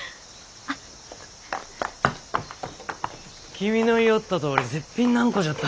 君の言よったとおり絶品のあんこじゃった。